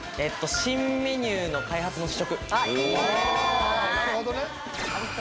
新メニューの開発の試食。